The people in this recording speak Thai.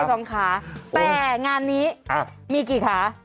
แต่งานนี้มีกี่ขา